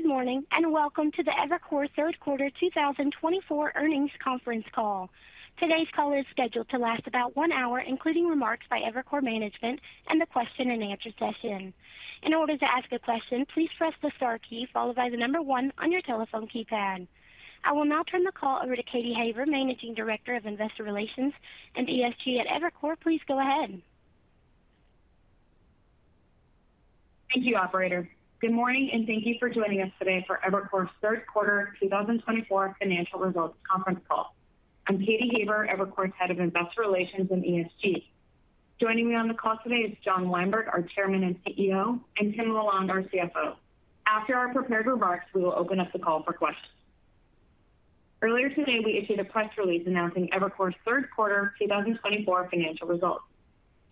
Good morning, and welcome to the Evercore third quarter two thousand twenty-four earnings conference call. Today's call is scheduled to last about one hour, including remarks by Evercore management and the question and answer session. In order to ask a question, please press the star key followed by the number one on your telephone keypad. I will now turn the call over to Katy Haber, Managing Director of Investor Relations and ESG at Evercore. Please go ahead. Thank you, operator. Good morning, and thank you for joining us today for Evercore's third quarter two thousand twenty-four financial results conference call. I'm Katy Haber, Evercore's Head of Investor Relations and ESG. Joining me on the call today is John Weinberg, our Chairman and CEO, and Tim LaLonde, our CFO. After our prepared remarks, we will open up the call for questions. Earlier today, we issued a press release announcing Evercore's third quarter two thousand twenty-four financial results.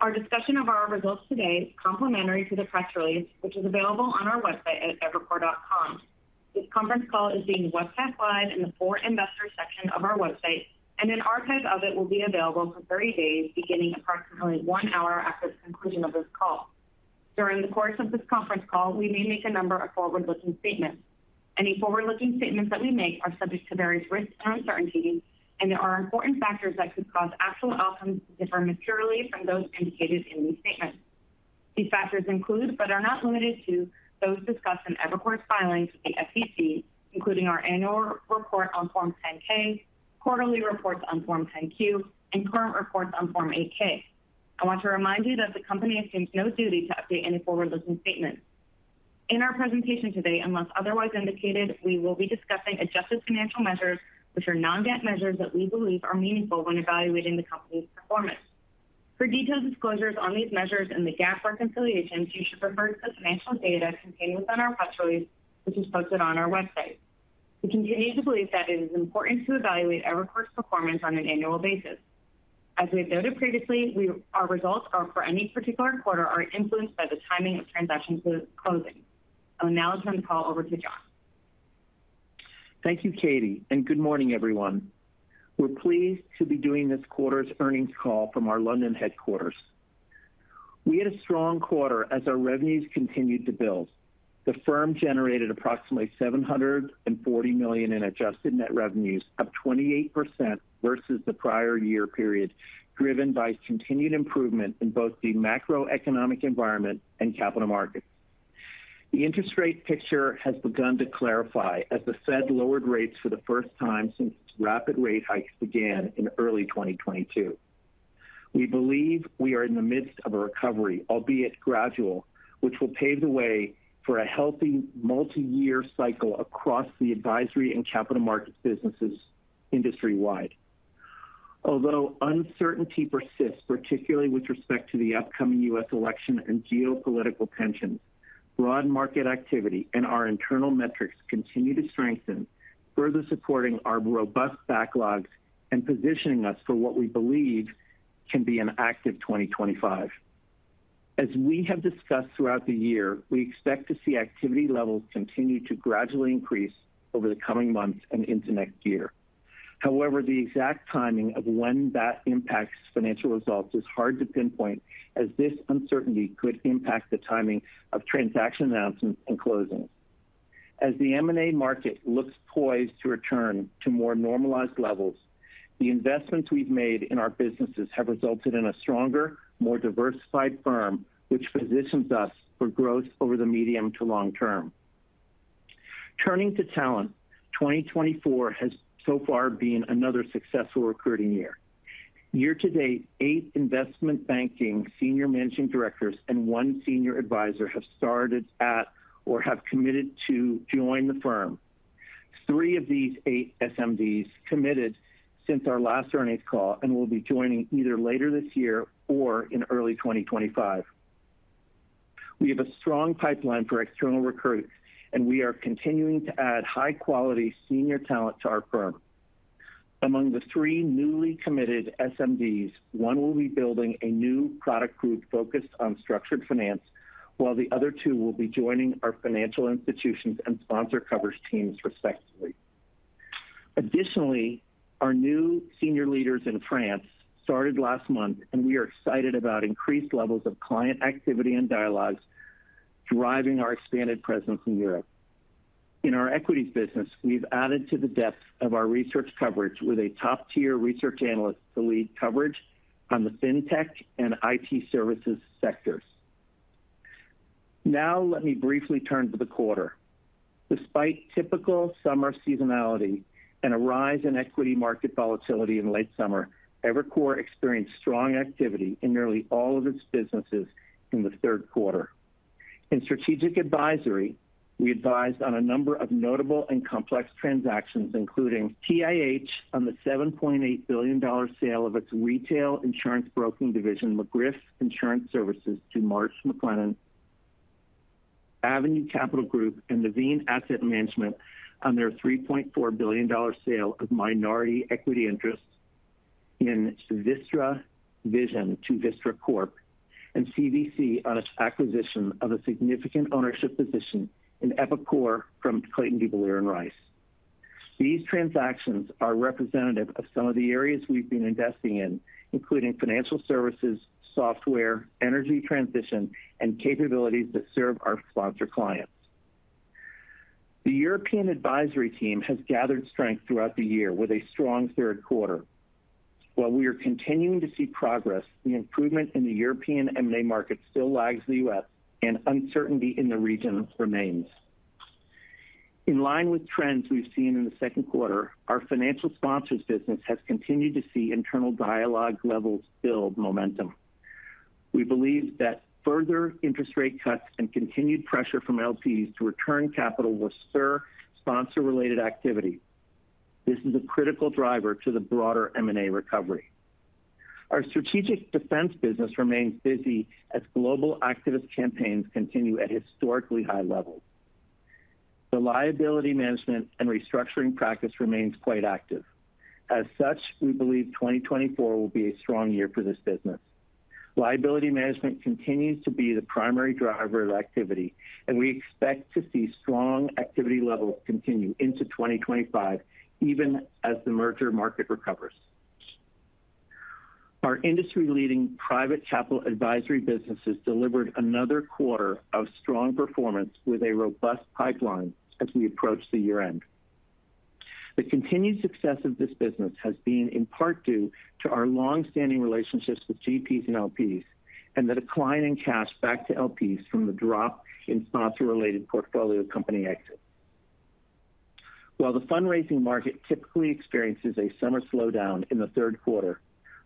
Our discussion of our results today is complementary to the press release, which is available on our website at evercore.com. This conference call is being webcast live in the For Investors section of our website, and an archive of it will be available for thirty days, beginning approximately one hour after the conclusion of this call. During the course of this conference call, we may make a number of forward-looking statements. Any forward-looking statements that we make are subject to various risks and uncertainties, and there are important factors that could cause actual outcomes to differ materially from those indicated in these statements. These factors include, but are not limited to, those discussed in Evercore's filings with the SEC, including our annual report on Form 10-K, quarterly reports on Form 10-Q, and current reports on Form 8-K. I want to remind you that the company assumes no duty to update any forward-looking statements. In our presentation today, unless otherwise indicated, we will be discussing adjusted financial measures, which are non-GAAP measures that we believe are meaningful when evaluating the company's performance. For detailed disclosures on these measures and the GAAP reconciliations, you should refer to the financial data contained within our press release, which is posted on our website. We continue to believe that it is important to evaluate Evercore's performance on an annual basis. As we noted previously, our results for any particular quarter are influenced by the timing of transactions with closing. I will now turn the call over to John. Thank you, Katy, and good morning, everyone. We're pleased to be doing this quarter's earnings call from our London headquarters. We had a strong quarter as our revenues continued to build. The firm generated approximately $740 million in adjusted net revenues, up 28% versus the prior year period, driven by continued improvement in both the macroeconomic environment and capital markets. The interest rate picture has begun to clarify as the Fed lowered rates for the first time since rapid rate hikes began in early 2022. We believe we are in the midst of a recovery, albeit gradual, which will pave the way for a healthy multi-year cycle across the advisory and capital markets businesses industry-wide. Although uncertainty persists, particularly with respect to the upcoming U.S. election and geopolitical tensions, broad market activity and our internal metrics continue to strengthen, further supporting our robust backlogs and positioning us for what we believe can be an active 2025. As we have discussed throughout the year, we expect to see activity levels continue to gradually increase over the coming months and into next year. However, the exact timing of when that impacts financial results is hard to pinpoint, as this uncertainty could impact the timing of transaction announcements and closings. As the M&A market looks poised to return to more normalized levels, the investments we've made in our businesses have resulted in a stronger, more diversified firm, which positions us for growth over the medium to long term. Turning to talent, 2024 has so far been another successful recruiting year. Year to date, eight investment banking senior managing directors and one senior advisor have started at or have committed to join the firm. Three of these eight SMDs committed since our last earnings call and will be joining either later this year or in early 2025. We have a strong pipeline for external recruits, and we are continuing to add high-quality senior talent to our firm. Among the three newly committed SMDs, one will be building a new product group focused on structured finance, while the other two will be joining our financial institutions and sponsor coverage teams, respectively. Additionally, our new senior leaders in France started last month, and we are excited about increased levels of client activity and dialogues driving our expanded presence in Europe. In our equities business, we've added to the depth of our research coverage with a top-tier research analyst to lead coverage on the fintech and IT services sectors. Now let me briefly turn to the quarter. Despite typical summer seasonality and a rise in equity market volatility in late summer, Evercore experienced strong activity in nearly all of its businesses in the third quarter. In strategic advisory, we advised on a number of notable and complex transactions, including TIH on the $7.8 billion sale of its retail insurance broking division, McGriff Insurance Services, to Marsh McLennan, Avenue Capital Group, and Nuveen Asset Management on their $3.4 billion sale of minority equity interests in Vistra Vision to Vistra Corp, and CVC on its acquisition of a significant ownership position in Epicor from Clayton, Dubilier & Rice. These transactions are representative of some of the areas we've been investing in, including financial services, software, energy transition, and capabilities that serve our sponsor clients. The European advisory team has gathered strength throughout the year with a strong third quarter. While we are continuing to see progress, the improvement in the European M&A market still lags the U.S., and uncertainty in the region remains. In line with trends we've seen in the second quarter, our financial sponsors business has continued to see internal dialogue levels build momentum. We believe that further interest rate cuts and continued pressure from LPs to return capital will stir sponsor-related activity. This is a critical driver to the broader M&A recovery. Our strategic defense business remains busy as global activist campaigns continue at historically high levels. The liability management and restructuring practice remains quite active. As such, we believe 2024 will be a strong year for this business. Liability management continues to be the primary driver of activity, and we expect to see strong activity levels continue into 2025, even as the merger market recovers. Our industry-leading private capital advisory businesses delivered another quarter of strong performance with a robust pipeline as we approach the year-end. The continued success of this business has been in part due to our long-standing relationships with GPs and LPs, and the decline in cash back to LPs from the drop in sponsor-related portfolio company exits. While the fundraising market typically experiences a summer slowdown in the third quarter,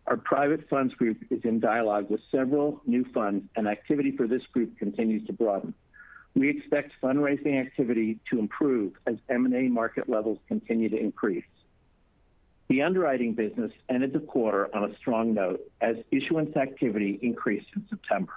our private funds group is in dialogue with several new funds, and activity for this group continues to broaden. We expect fundraising activity to improve as M&A market levels continue to increase. The underwriting business ended the quarter on a strong note as issuance activity increased in September.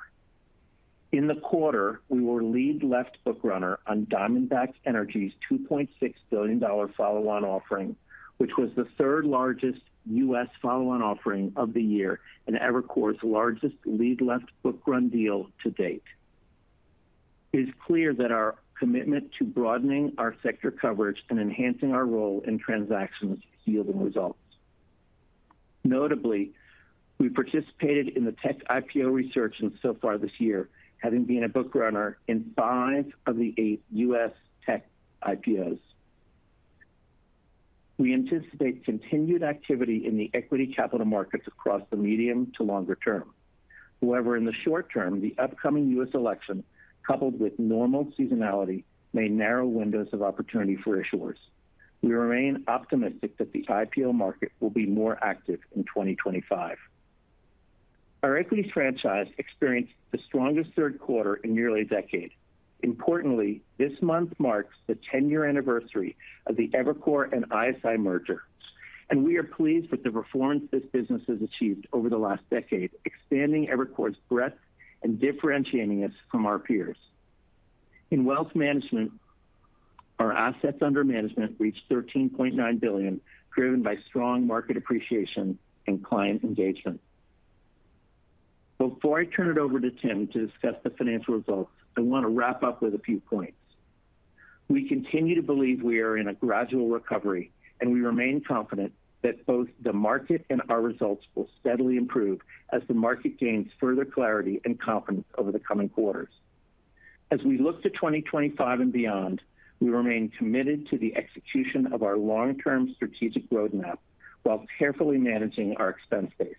In the quarter, we were lead left bookrunner on Diamondback Energy's $2.6 billion follow-on offering, which was the third-largest U.S. follow-on offering of the year and Evercore's largest lead left bookrunner deal to date. It is clear that our commitment to broadening our sector coverage and enhancing our role in transactions is yielding results. Notably, we participated in the tech IPO rush and so far this year, having been a bookrunner in five of the eight U.S. tech IPOs. We anticipate continued activity in the equity capital markets across the medium to longer term. However, in the short term, the upcoming U.S. election, coupled with normal seasonality, may narrow windows of opportunity for issuers. We remain optimistic that the IPO market will be more active in 2025. Our equities franchise experienced the strongest third quarter in nearly a decade. Importantly, this month marks the ten-year anniversary of the Evercore and ISI merger, and we are pleased with the performance this business has achieved over the last decade, expanding Evercore's breadth and differentiating us from our peers. In wealth management, our assets under management reached $13.9 billion, driven by strong market appreciation and client engagement. Before I turn it over to Tim to discuss the financial results, I want to wrap up with a few points. We continue to believe we are in a gradual recovery, and we remain confident that both the market and our results will steadily improve as the market gains further clarity and confidence over the coming quarters. As we look to 2025 and beyond, we remain committed to the execution of our long-term strategic roadmap while carefully managing our expense base.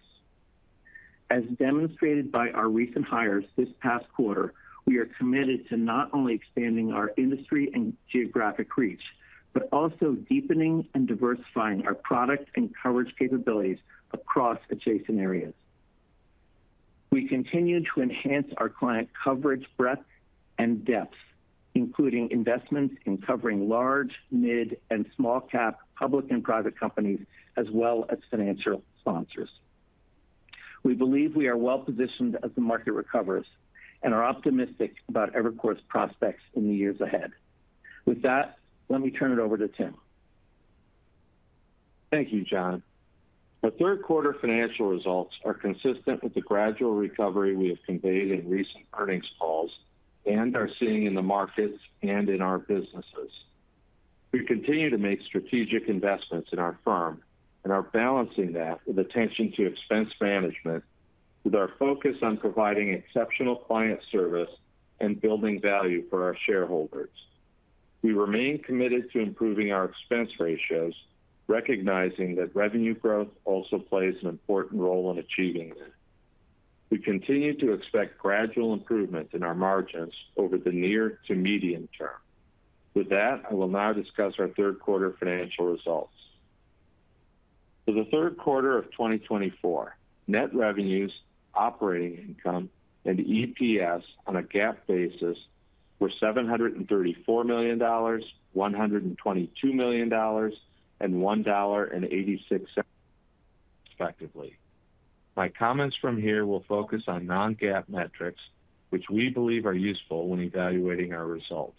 As demonstrated by our recent hires this past quarter, we are committed to not only expanding our industry and geographic reach, but also deepening and diversifying our product and coverage capabilities across adjacent areas. We continue to enhance our client coverage breadth and depth, including investments in covering large, mid, and small cap, public and private companies, as well as financial sponsors. We believe we are well-positioned as the market recovers and are optimistic about Evercore's prospects in the years ahead. With that, let me turn it over to Tim. Thank you, John. Our third quarter financial results are consistent with the gradual recovery we have conveyed in recent earnings calls and are seeing in the markets and in our businesses. We continue to make strategic investments in our firm and are balancing that with attention to expense management, with our focus on providing exceptional client service and building value for our shareholders. We remain committed to improving our expense ratios, recognizing that revenue growth also plays an important role in achieving this. We continue to expect gradual improvement in our margins over the near to medium term. With that, I will now discuss our third quarter financial results. For the third quarter of 2024, net revenues, operating income, and EPS on a GAAP basis were $734 million, $122 million, and $1.86, respectively. My comments from here will focus on non-GAAP metrics, which we believe are useful when evaluating our results.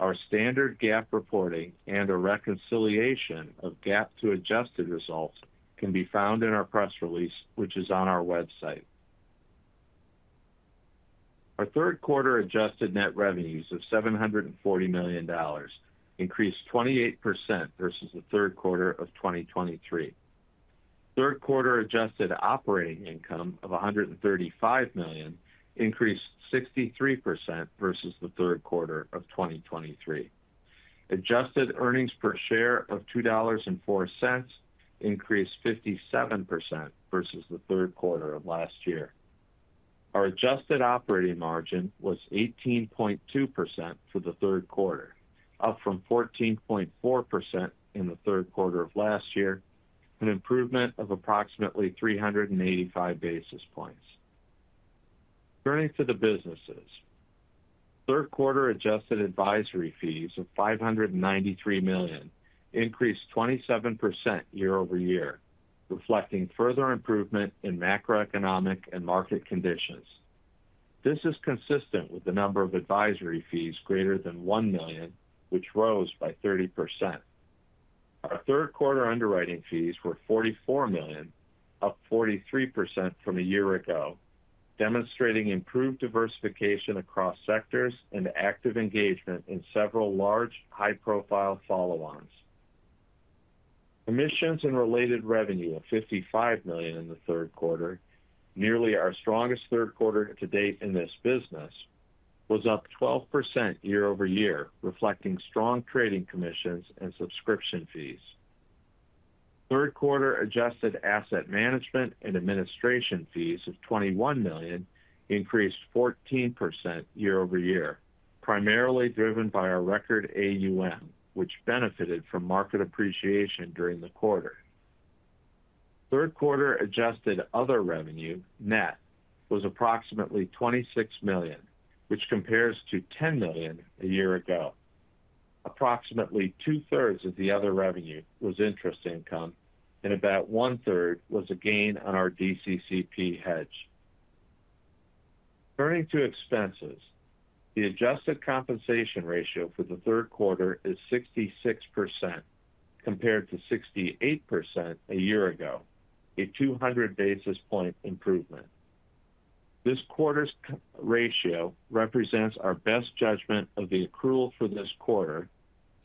Our standard GAAP reporting and a reconciliation of GAAP to adjusted results can be found in our press release, which is on our website... Our third quarter adjusted net revenues of $740 million increased 28% versus the third quarter of 2023. Third quarter adjusted operating income of $135 million increased 63% versus the third quarter of 2023. Adjusted earnings per share of $2.04 increased 57% versus the third quarter of last year. Our adjusted operating margin was 18.2% for the third quarter, up from 14.4% in the third quarter of last year, an improvement of approximately 385 basis points. Turning to the businesses. Third quarter adjusted advisory fees of $593 million increased 27% year over year, reflecting further improvement in macroeconomic and market conditions. This is consistent with the number of advisory fees greater than $1 million, which rose by 30%. Our third quarter underwriting fees were $44 million, up 43% from a year ago, demonstrating improved diversification across sectors and active engagement in several large, high-profile follow-ons. Commissions and related revenue of $55 million in the third quarter, nearly our strongest third quarter to date in this business, was up 12% year over year, reflecting strong trading commissions and subscription fees. Third quarter adjusted asset management and administration fees of $21 million increased 14% year over year, primarily driven by our record AUM, which benefited from market appreciation during the quarter. Third quarter adjusted other revenue net was approximately $26 million, which compares to $10 million a year ago. Approximately two-thirds of the other revenue was interest income, and about one-third was a gain on our DCCP hedge. Turning to expenses, the adjusted compensation ratio for the third quarter is 66%, compared to 68% a year ago, a 200 basis points improvement. This quarter's comp ratio represents our best judgment of the accrual for this quarter,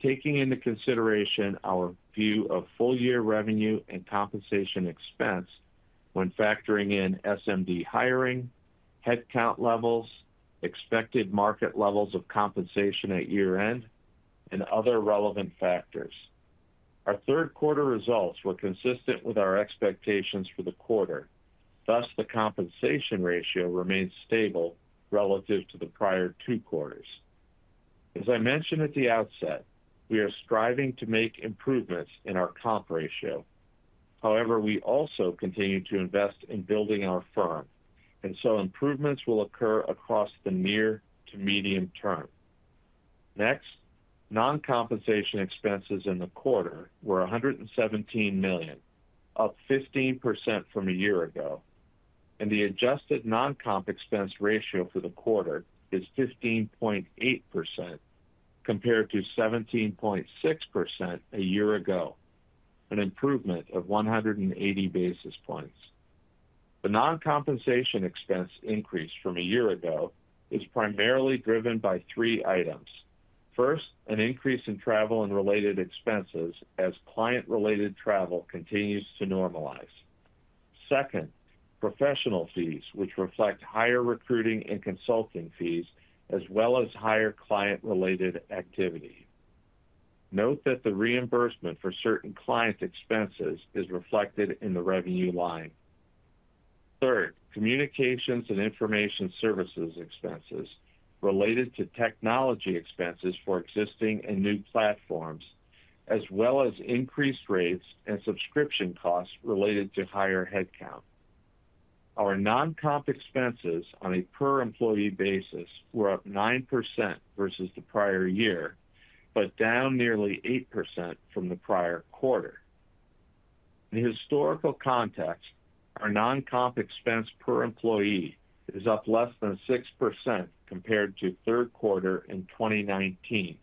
taking into consideration our view of full-year revenue and compensation expense when factoring in SMD hiring, headcount levels, expected market levels of compensation at year-end, and other relevant factors. Our third quarter results were consistent with our expectations for the quarter, thus the compensation ratio remains stable relative to the prior two quarters. As I mentioned at the outset, we are striving to make improvements in our comp ratio. However, we also continue to invest in building our firm, and so improvements will occur across the near to medium term. Next, non-compensation expenses in the quarter were $117 million, up 15% from a year ago, and the adjusted non-comp expense ratio for the quarter is 15.8%, compared to 17.6% a year ago, an improvement of 180 basis points. The non-compensation expense increase from a year ago is primarily driven by three items. First, an increase in travel and related expenses as client-related travel continues to normalize. Second, professional fees, which reflect higher recruiting and consulting fees, as well as higher client-related activity. Note that the reimbursement for certain client expenses is reflected in the revenue line. Third, communications and information services expenses related to technology expenses for existing and new platforms, as well as increased rates and subscription costs related to higher headcount. Our non-comp expenses on a per employee basis were up 9% versus the prior year, but down nearly 8% from the prior quarter. In historical context, our non-comp expense per employee is up less than 6% compared to third quarter in 2019,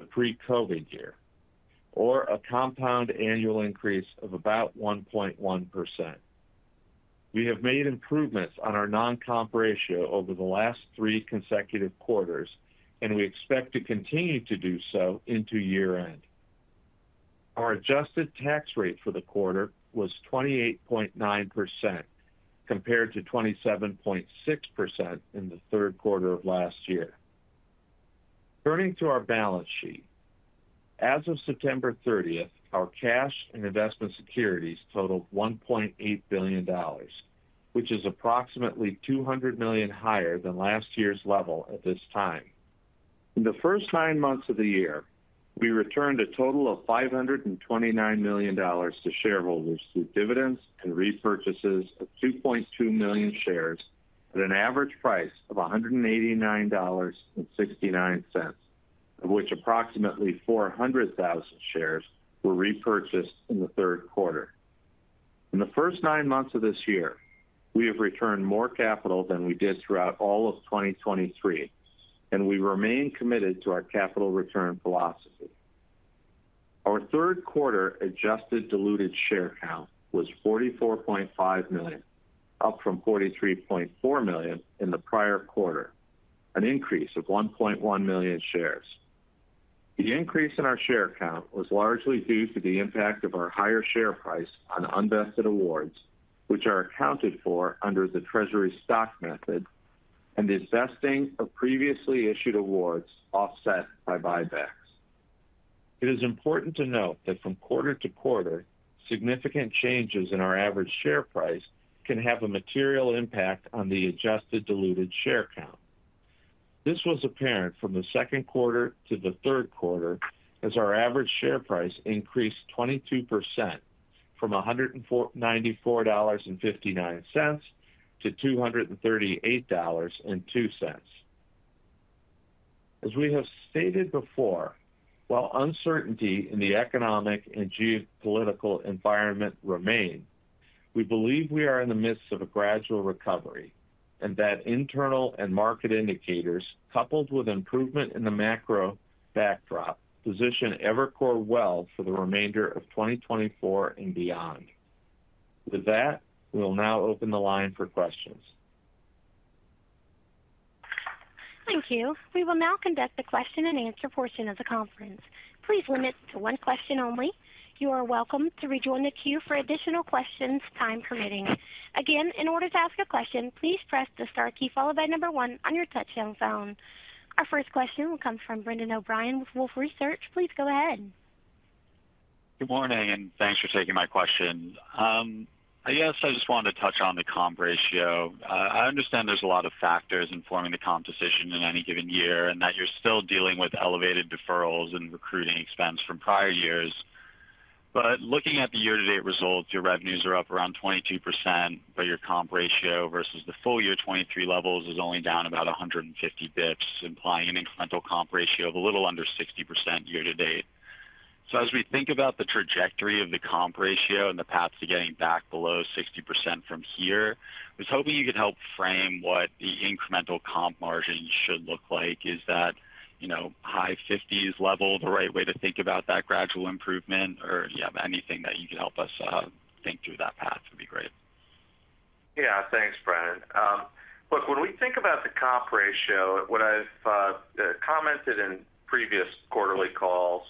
the pre-COVID year, or a compound annual increase of about 1.1%. We have made improvements on our non-comp ratio over the last three consecutive quarters, and we expect to continue to do so into year-end. Our adjusted tax rate for the quarter was 28.9%, compared to 27.6% in the third quarter of last year. Turning to our balance sheet. As of September thirtieth, our cash and investment securities totaled $1.8 billion, which is approximately $200 million higher than last year's level at this time. In the first nine months of the year, we returned a total of $529 million to shareholders through dividends and repurchases of 2.2 million shares at an average price of $189.69, of which approximately 400,000 shares were repurchased in the third quarter. In the first nine months of this year, we have returned more capital than we did throughout all of 2023, and we remain committed to our capital return philosophy. Our third quarter adjusted diluted share count was 44.5 million, up from 43.4 million in the prior quarter, an increase of 1.1 million shares. The increase in our share count was largely due to the impact of our higher share price on unvested awards, which are accounted for under the Treasury Stock Method, and the vesting of previously issued awards offset by buybacks. It is important to note that from quarter to quarter, significant changes in our average share price can have a material impact on the adjusted diluted share count. This was apparent from the second quarter to the third quarter, as our average share price increased 22% from $94.59 to $238.02. As we have stated before, while uncertainty in the economic and geopolitical environment remain, we believe we are in the midst of a gradual recovery, and that internal and market indicators, coupled with improvement in the macro backdrop, position Evercore well for the remainder of 2024 and beyond. With that, we'll now open the line for questions. Thank you. We will now conduct a question-and-answer portion of the conference. Please limit to one question only. You are welcome to rejoin the queue for additional questions, time permitting. Again, in order to ask a question, please press the star key followed by number one on your touchtone phone. Our first question will come from Brendan O'Brien with Wolfe Research. Please go ahead. Good morning, and thanks for taking my question. I guess I just wanted to touch on the comp ratio. I understand there's a lot of factors in forming the comp decision in any given year, and that you're still dealing with elevated deferrals and recruiting expense from prior years. But looking at the year-to-date results, your revenues are up around 22%, but your comp ratio versus the full year 2023 levels is only down about 150 basis points, implying an incremental comp ratio of a little under 60% year to date. So as we think about the trajectory of the comp ratio and the path to getting back below 60% from here, I was hoping you could help frame what the incremental comp margins should look like. Is that, you know, high fifties level, the right way to think about that gradual improvement? Or, yeah, anything that you could help us think through that path would be great. Yeah, thanks, Brendan. Look, when we think about the comp ratio, what I've commented in previous quarterly calls,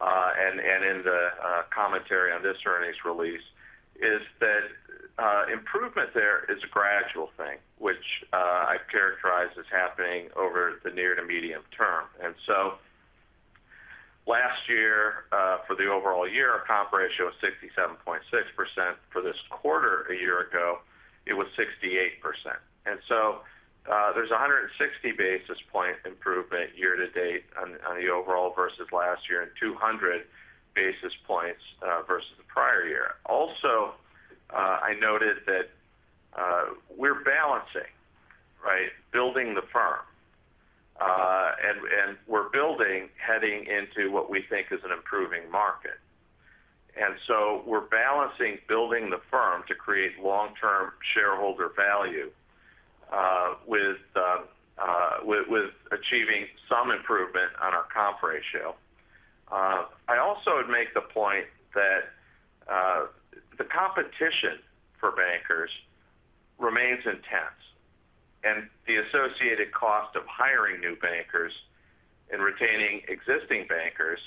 and in the commentary on this earnings release, is that improvement there is a gradual thing, which I've characterized as happening over the near to medium term. And so last year, for the overall year, our comp ratio was 67.6%. For this quarter, a year ago, it was 68%. And so, there's a 160 basis point improvement year to date on the overall versus last year, and 200 basis points versus the prior year. Also, I noted that we're balancing, right, building the firm. And we're building, heading into what we think is an improving market. And so we're balancing building the firm to create long-term shareholder value, with achieving some improvement on our comp ratio. I also would make the point that the competition for bankers remains intense, and the associated cost of hiring new bankers and retaining existing bankers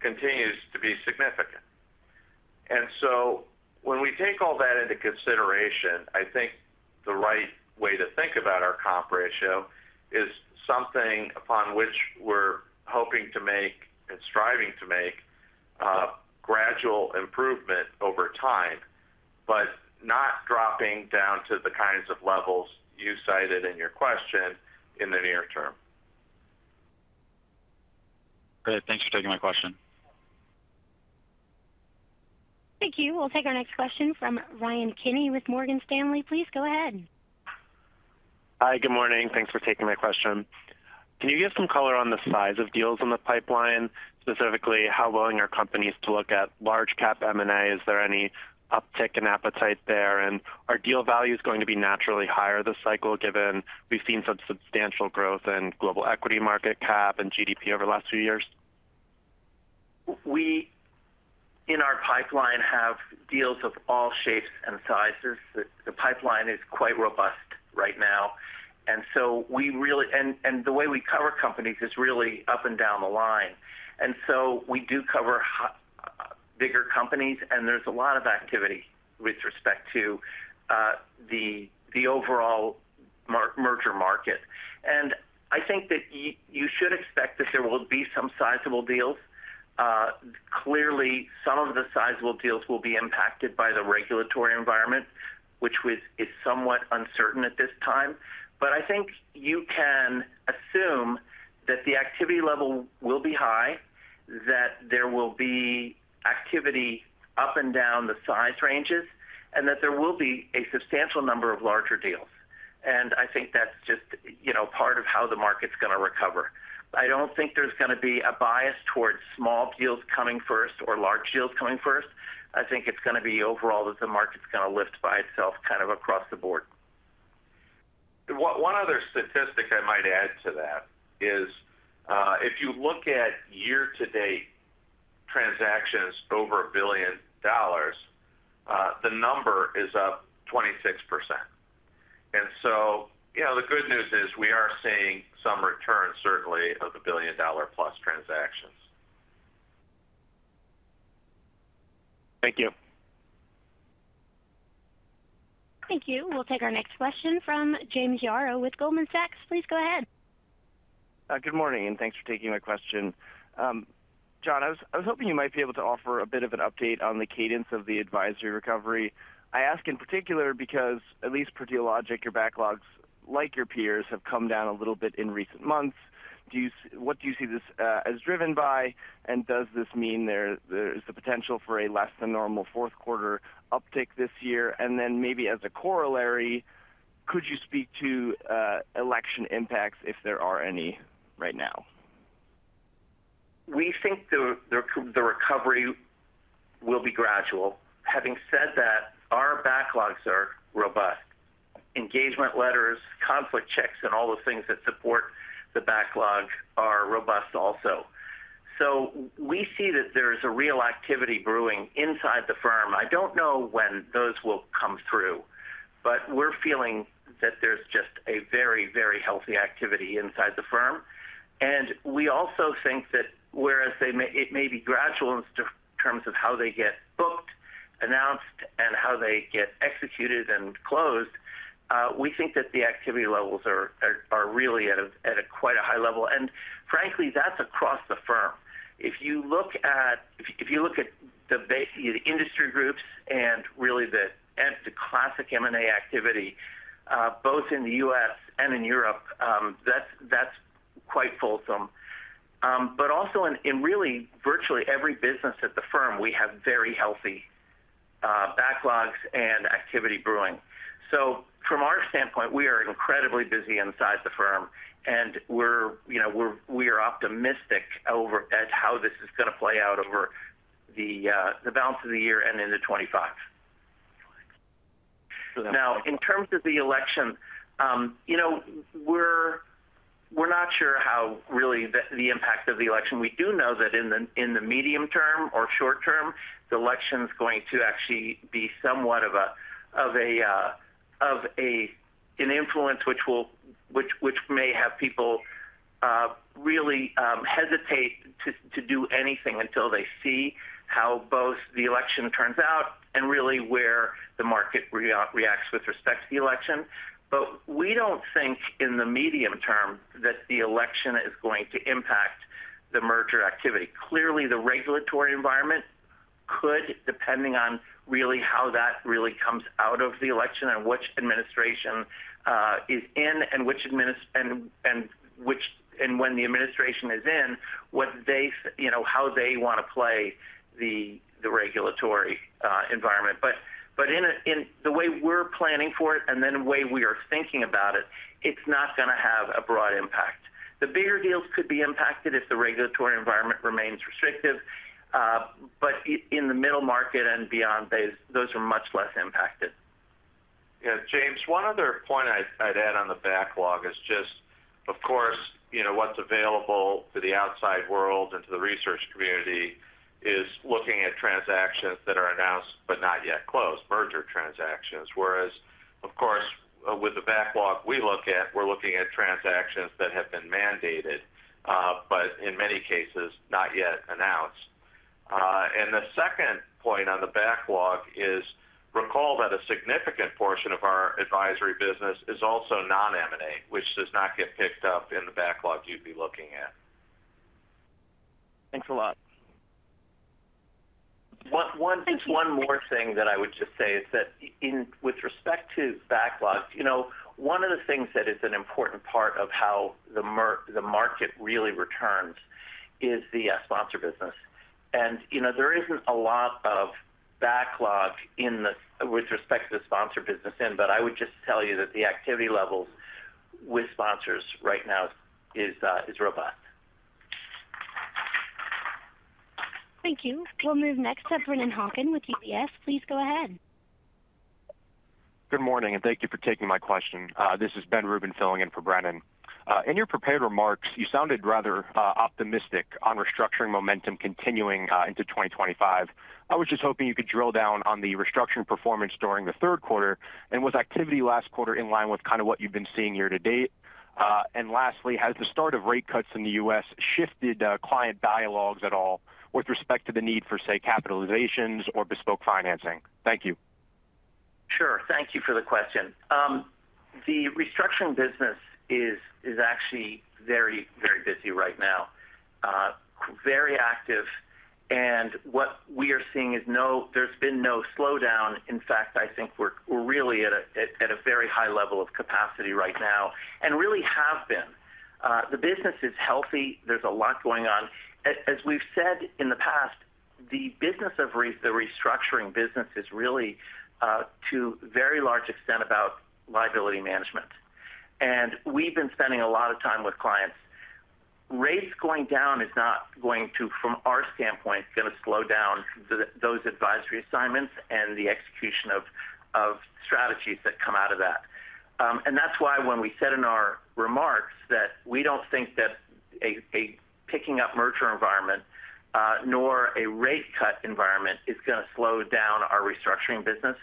continues to be significant. And so when we take all that into consideration, I think the right way to think about our comp ratio is something upon which we're hoping to make and striving to make gradual improvement over time, but not dropping down to the kinds of levels you cited in your question in the near term. Great. Thanks for taking my question. Thank you. We'll take our next question from Ryan Kenney with Morgan Stanley. Please go ahead. Hi, good morning. Thanks for taking my question. Can you give some color on the size of deals in the pipeline? Specifically, how willing are companies to look at large cap M&A? Is there any uptick in appetite there? And are deal values going to be naturally higher this cycle, given we've seen some substantial growth in global equity market cap and GDP over the last few years? We, in our pipeline, have deals of all shapes and sizes. The pipeline is quite robust right now, and so we really and the way we cover companies is really up and down the line, and so we do cover bigger companies, and there's a lot of activity with respect to the overall merger market, and I think that you should expect that there will be some sizable deals. Clearly, some of the sizable deals will be impacted by the regulatory environment, which is somewhat uncertain at this time, but I think you can assume that the activity level will be high, that there will be activity up and down the size ranges, and that there will be a substantial number of larger deals, and I think that's just, you know, part of how the market's going to recover. I don't think there's going to be a bias towards small deals coming first or large deals coming first. I think it's going to be overall that the market's going to lift by itself kind of across the board. One other statistic I might add to that is, if you look at year-to-date transactions over a billion dollars, the number is up 26%. And so, you know, the good news is we are seeing some return certainly of the billion-dollar-plus transactions. Thank you. Thank you. We'll take our next question from James Yaro with Goldman Sachs. Please go ahead. Good morning, and thanks for taking my question. John, I was hoping you might be able to offer a bit of an update on the cadence of the advisory recovery. I ask in particular because at least per Dealogic, your backlogs, like your peers, have come down a little bit in recent months. Do you... What do you see this as driven by, and does this mean there is the potential for a less than normal fourth quarter uptick this year? And then maybe as a corollary, could you speak to election impacts, if there are any right now? We think the recovery will be gradual. Having said that, our backlogs are robust. Engagement letters, conflict checks, and all those things that support the backlog are robust also. So we see that there is a real activity brewing inside the firm. I don't know when those will come through, but we're feeling that there's just a very, very healthy activity inside the firm. And we also think that whereas it may be gradual in terms of how they get booked, announced, and how they get executed and closed, we think that the activity levels are really at a quite high level, and frankly, that's across the firm. If you look at the industry groups and really the classic M&A activity both in the US and in Europe, that's quite fulsome. But also in really virtually every business at the firm, we have very healthy backlogs and activity brewing. So from our standpoint, we are incredibly busy inside the firm, and we're, you know, we are optimistic over at how this is gonna play out over the balance of the year and into 2025. Now, in terms of the election, you know, we're not sure how really the impact of the election. We do know that in the medium term or short term, the election's going to actually be somewhat of an influence which may have people really hesitate to do anything until they see how both the election turns out and really where the market reacts with respect to the election. But we don't think in the medium term that the election is going to impact the merger activity. Clearly, the regulatory environment could, depending on really how that really comes out of the election and which administration is in and when the administration is in, what they you know, how they wanna play the regulatory environment. But in the way we're planning for it and then the way we are thinking about it, it's not gonna have a broad impact. The bigger deals could be impacted if the regulatory environment remains restrictive, but in the middle market and beyond, those are much less impacted. Yeah, James, one other point I'd add on the backlog is just, of course, you know, what's available to the outside world and to the research community is looking at transactions that are announced but not yet closed, merger transactions. Whereas, of course, with the backlog we look at, we're looking at transactions that have been mandated, but in many cases, not yet announced. And the second point on the backlog is recall that a significant portion of our advisory business is also non-M&A, which does not get picked up in the backlog you'd be looking at. Thanks a lot. One, one- Thank you. One more thing that I would just say is that in with respect to backlogs, you know, one of the things that is an important part of how the market really returns is the sponsor business. And, you know, there isn't a lot of backlog in the sponsor business, but I would just tell you that the activity levels with sponsors right now is robust. Thank you. We'll move next to Brennan Hawken with UBS. Please go ahead. Good morning, and thank you for taking my question. This is Ben Rubin filling in for Brennan. In your prepared remarks, you sounded rather optimistic on restructuring momentum continuing into twenty twenty-five. I was just hoping you could drill down on the restructuring performance during the third quarter, and was activity last quarter in line with kind of what you've been seeing year to date? And lastly, has the start of rate cuts in the U.S. shifted client dialogues at all with respect to the need for, say, capitalizations or bespoke financing? Thank you. Sure. Thank you for the question. The restructuring business is actually very, very busy right now, very active, and what we are seeing is there's been no slowdown. In fact, I think we're really at a very high level of capacity right now and really have been. The business is healthy. There's a lot going on. As we've said in the past, the business of the restructuring business is really to a very large extent about liability management. And we've been spending a lot of time with clients. Rates going down is not going to, from our standpoint, going to slow down the those advisory assignments and the execution of strategies that come out of that. And that's why when we said in our remarks that we don't think that a picking up merger environment nor a rate cut environment is going to slow down our restructuring business.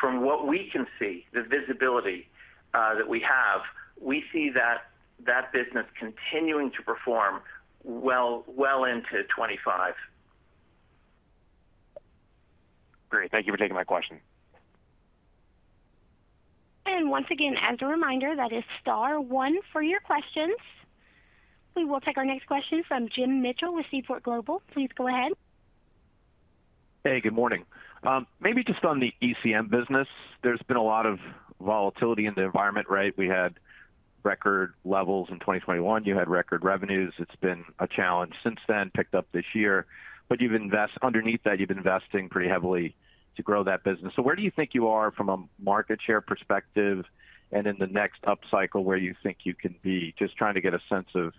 From what we can see, the visibility that we have, we see that business continuing to perform well into 2025. Great. Thank you for taking my question. Once again, as a reminder, that is star one for your questions. We will take our next question from Jim Mitchell with Seaport Global. Please go ahead. Hey, good morning. Maybe just on the ECM business, there's been a lot of volatility in the environment, right? We had record levels in 2021. You had record revenues. It's been a challenge since then, picked up this year. But underneath that, you've been investing pretty heavily to grow that business. So where do you think you are from a market share perspective, and in the next upcycle, where you think you can be? Just trying to get a sense of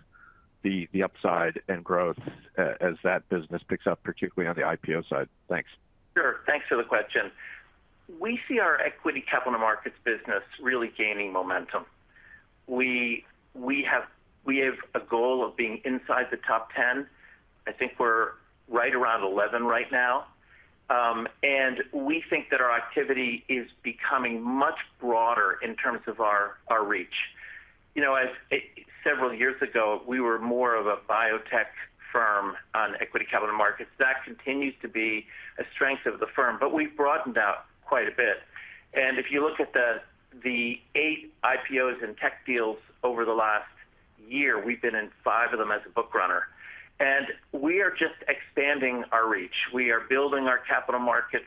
the upside and growth as that business picks up, particularly on the IPO side. Thanks. Sure. Thanks for the question. We see our equity capital markets business really gaining momentum. We have a goal of being inside the top ten. I think we're right around eleven right now. And we think that our activity is becoming much broader in terms of our reach. You know, as several years ago, we were more of a biotech firm on equity capital markets. That continues to be a strength of the firm, but we've broadened out quite a bit. And if you look at the eight IPOs and tech deals over the last year, we've been in five of them as a book runner, and we are just expanding our reach. We are building our capital markets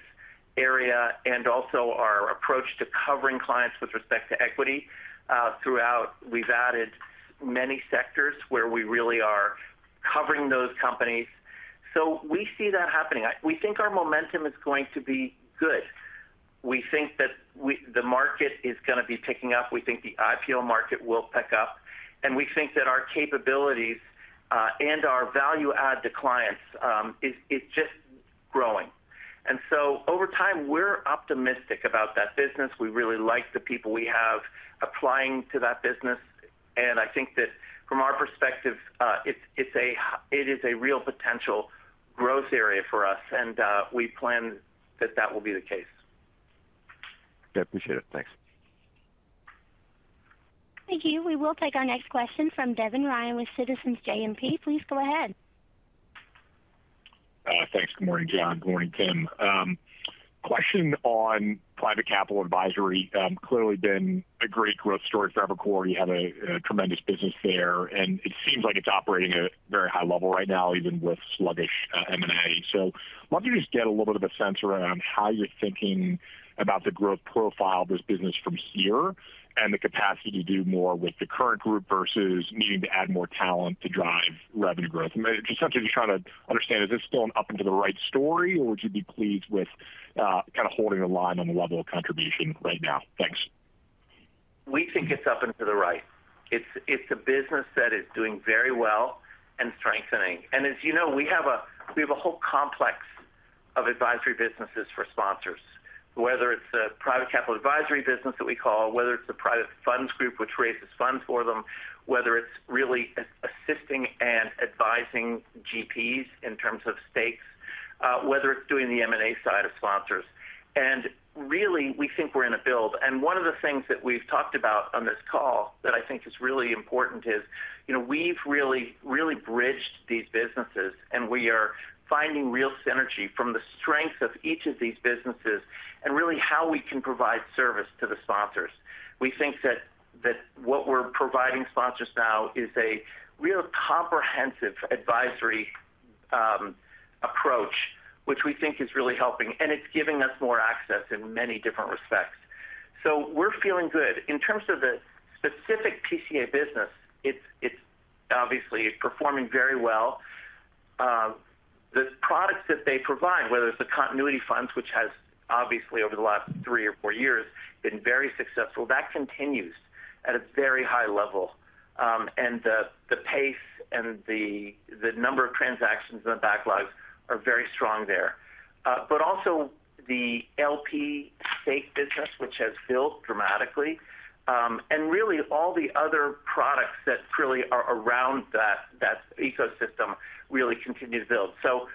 area and also our approach to covering clients with respect to equity. Throughout, we've added many sectors where we really are covering those companies. So we see that happening. We think our momentum is going to be good. We think that the market is going to be picking up. We think the IPO market will pick up, and we think that our capabilities and our value add to clients is just growing. So over time, we're optimistic about that business. We really like the people we have applying to that business, and I think that from our perspective, it's a real potential growth area for us, and we plan that will be the case. Yeah, appreciate it. Thanks. Thank you. We will take our next question from Devin Ryan with Citizens JMP. Please go ahead. Thanks. Good morning, John. Good morning, Tim. Question on private capital advisory. Clearly been a great growth story for Evercore. You have a tremendous business there, and it seems like it's operating at a very high level right now, even with sluggish M&A. So I want to just get a little bit of a sense around how you're thinking about the growth profile of this business from here and the capacity to do more with the current group versus needing to add more talent to drive revenue growth. Just simply trying to understand, is this still an up and to the right story, or would you be pleased with kind of holding the line on the level of contribution right now? Thanks. We think it's up and to the right. It's, it's a business that is doing very well and strengthening. And as you know, we have a, we have a whole complex of advisory businesses for sponsors, whether it's a private capital advisory business that we call, whether it's the private funds group, which raises funds for them, whether it's really assisting and advising GPs in terms of stakes, whether it's doing the M&A side of sponsors. And really, we think we're in a build. And one of the things that we've talked about on this call that I think is really important is, you know, we've really, really bridged these businesses, and we are finding real synergy from the strength of each of these businesses and really how we can provide service to the sponsors. We think that what we're providing sponsors now is a real comprehensive advisory approach, which we think is really helping, and it's giving us more access in many different respects. So we're feeling good. In terms of the specific PCA business, it's obviously performing very well. The products that they provide, whether it's the Continuity Funds, which has obviously, over the last three or four years, been very successful, that continues at a very high level. And the pace and the number of transactions in the backlogs are very strong there. But also the LP stake business, which has built dramatically, and really all the other products that really are around that ecosystem really continue to build. So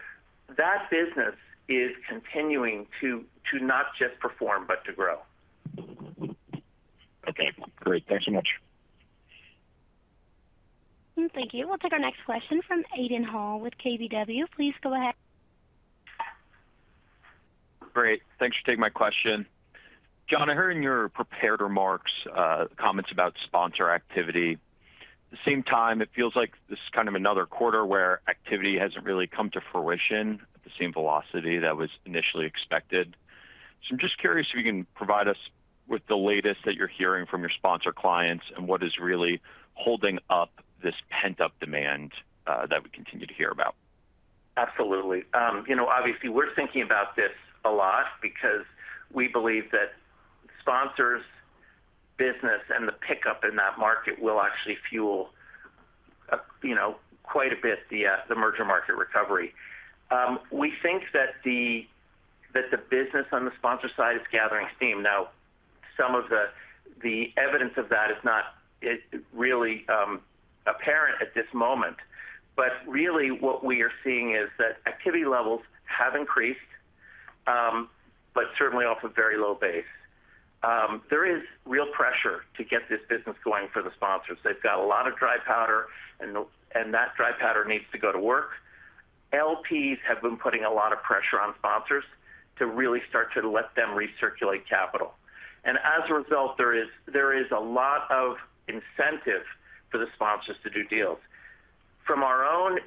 that business is continuing to not just perform, but to grow. Okay, great. Thanks so much. Thank you. We'll take our next question from Aidan Hall with KBW. Please go ahead. Great. Thanks for taking my question. John, I heard in your prepared remarks comments about sponsor activity. At the same time, it feels like this is kind of another quarter where activity hasn't really come to fruition at the same velocity that was initially expected. So I'm just curious if you can provide us with the latest that you're hearing from your sponsor clients and what is really holding up this pent-up demand that we continue to hear about. Absolutely. You know, obviously, we're thinking about this a lot because we believe that sponsors' business and the pickup in that market will actually fuel, you know, quite a bit the merger market recovery. We think that the business on the sponsor side is gathering steam. Now, some of the evidence of that is really apparent at this moment. But really what we are seeing is that activity levels have increased, but certainly off a very low base. There is real pressure to get this business going for the sponsors. They've got a lot of dry powder, and that dry powder needs to go to work. LPs have been putting a lot of pressure on sponsors to really start to let them recirculate capital. And as a result, there is a lot of incentive for the sponsors to do deals. From our own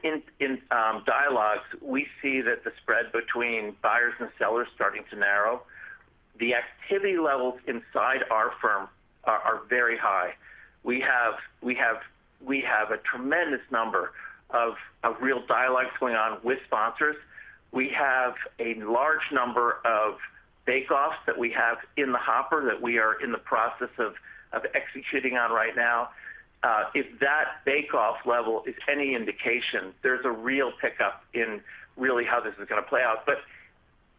dialogues, we see that the spread between buyers and sellers starting to narrow. The activity levels inside our firm are very high. We have a tremendous number of real dialogues going on with sponsors. We have a large number of bake-offs that we have in the hopper that we are in the process of executing on right now. If that bake-off level is any indication, there's a real pickup in really how this is gonna play out.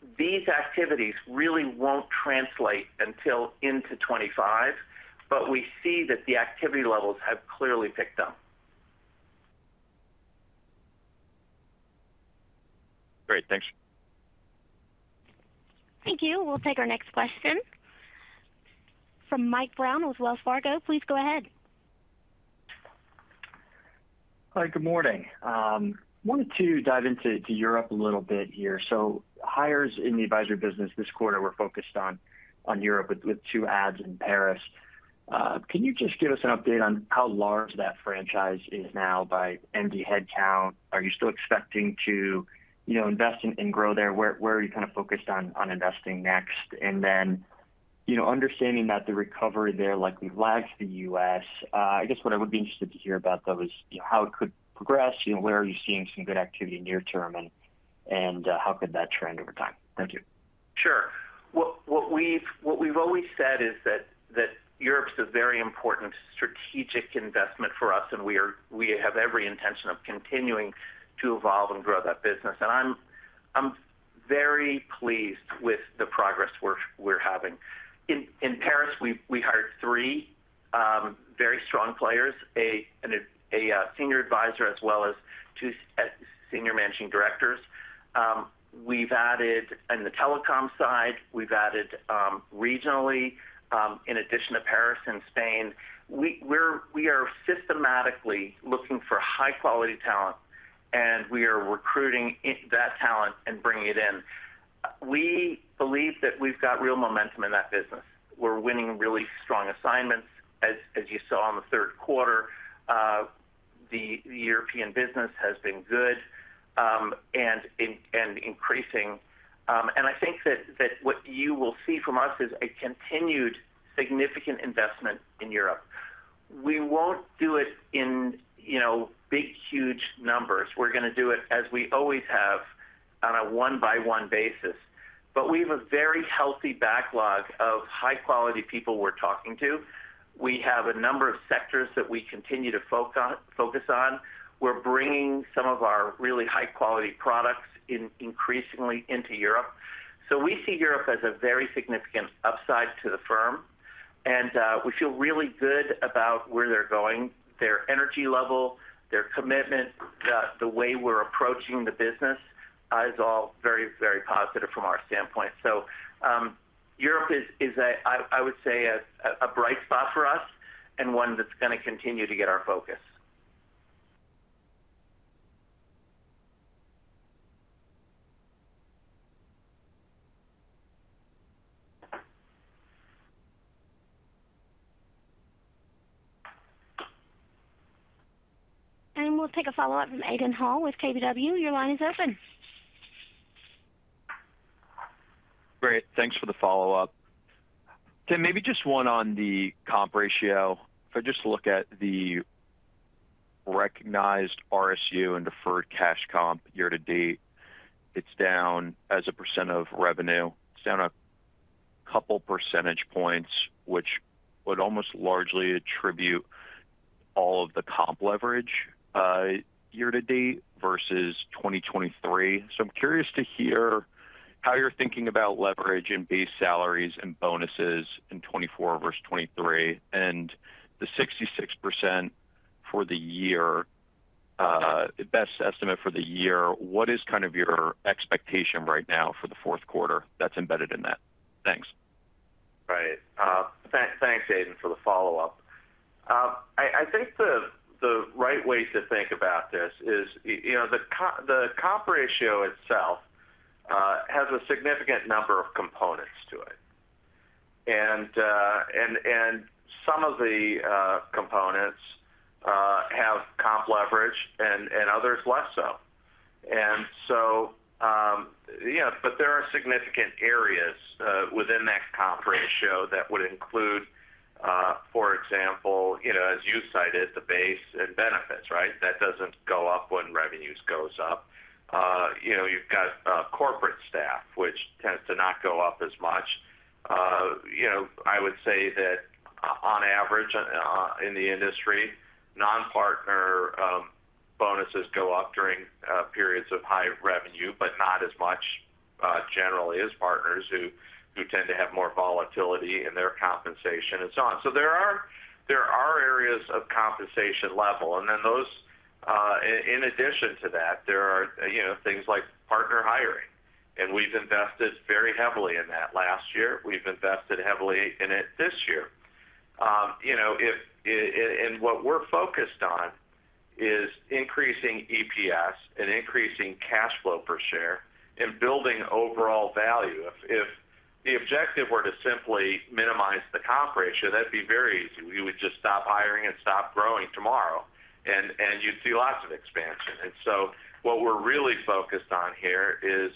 But these activities really won't translate into 2025, but we see that the activity levels have clearly picked up. Great, thanks. Thank you. We'll take our next question from Mike Brown with Wells Fargo. Please go ahead. Hi, good morning. Wanted to dive into Europe a little bit here. Hires in the advisory business this quarter were focused on Europe with two adds in Paris. Can you just give us an update on how large that franchise is now by MD headcount? Are you still expecting to, you know, invest and grow there? Where are you kind of focused on investing next? And then, you know, understanding that the recovery there likely lags the U.S., I guess what I would be interested to hear about, though, is, you know, how it could progress, you know, where are you seeing some good activity near term, and how could that trend over time? Thank you. Sure. What we've always said is that Europe's a very important strategic investment for us, and we have every intention of continuing to evolve and grow that business. And I'm very pleased with the progress we're having. In Paris, we hired three very strong players, a senior advisor, as well as two senior managing directors. We've added. On the telecom side, we've added, regionally, in addition to Paris and Spain. We are systematically looking for high-quality talent, and we are recruiting that talent and bringing it in. We believe that we've got real momentum in that business. We're winning really strong assignments, as you saw in the third quarter. The European business has been good, and increasing. And I think that what you will see from us is a continued significant investment in Europe. We won't do it in, you know, big, huge numbers. We're gonna do it as we always have, on a one-by-one basis. But we have a very healthy backlog of high-quality people we're talking to. We have a number of sectors that we continue to focus on. We're bringing some of our really high-quality products increasingly into Europe. So we see Europe as a very significant upside to the firm, and we feel really good about where they're going. Their energy level, their commitment, the way we're approaching the business is all very, very positive from our standpoint. So, Europe is a bright spot for us and one that's gonna continue to get our focus. We'll take a follow-up from Aidan Hall with KBW. Your line is open. Great, thanks for the follow-up. Tim, maybe just one on the comp ratio. If I just look at the recognized RSU and deferred cash comp year to date, it's down as a % of revenue. It's down a couple percentage points, which would almost largely attribute all of the comp leverage year to date versus 2023. So I'm curious to hear how you're thinking about leverage and base salaries and bonuses in 2024 versus 2023, and the 66% for the year, best estimate for the year, what is kind of your expectation right now for the fourth quarter that's embedded in that? Thanks. Right. Thanks, Aidan, for the follow-up. I think the right way to think about this is, you know, the comp ratio itself has a significant number of components to it. And some of the components have comp leverage and others less so. But there are significant areas within that comp ratio that would include, for example, you know, as you cited, the base and benefits, right? That doesn't go up when revenues goes up. You know, you've got corporate staff, which tends to not go up as much. You know, on average, in the industry, non-partner bonuses go up during periods of high revenue, but not as much generally as partners who tend to have more volatility in their compensation and so on. So there are areas of compensation level, and then those. In addition to that, there are, you know, things like partner hiring, and we've invested very heavily in that last year. We've invested heavily in it this year. You know, if and what we're focused on is increasing EPS and increasing cash flow per share and building overall value. If the objective were to simply minimize the comp ratio, that'd be very easy. We would just stop hiring and stop growing tomorrow, and you'd see lots of expansion. And so what we're really focused on here is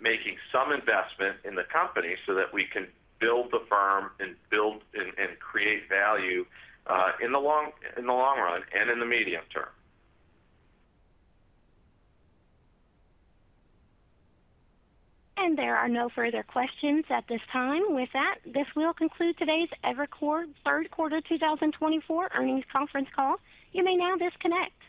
making some investment in the company so that we can build the firm and create value in the long run and in the medium term. There are no further questions at this time. With that, this will conclude today's Evercore third quarter 2024 earnings conference call. You may now disconnect.